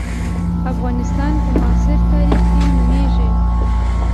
افغانستان په معاصر تاریخ کې نومېږي.